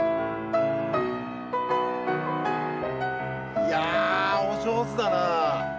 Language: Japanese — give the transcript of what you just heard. いや、お上手だな。